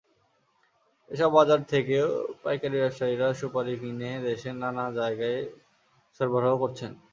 এসব বাজার থেকেও পাইকারি ব্যবসায়ীরা সুপারি কিনে দেশের নানা জায়গায়ে সরবরাহ করছেন।